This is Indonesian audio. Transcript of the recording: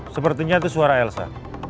sepertinya itu suara elsa